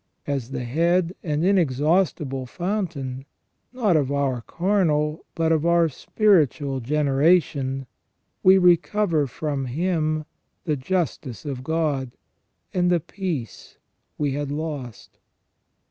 As the Head and inexhaustible Fountain, not of our carnal but of our spiritual generation, we recover from Him the justice of God, and the peace we had lost.